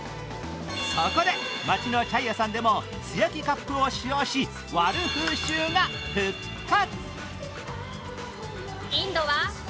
そこで、町のチャイ屋さんでも素焼きカップを使用し割る風習が復活。